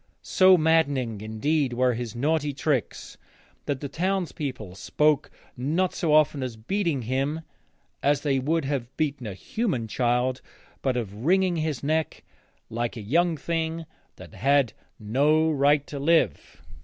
So maddening indeed were his naughty tricks that the townspeople spoke not so often of beating him, as they would have beaten a human child, but of wringing his neck like a young thing that had no right to live.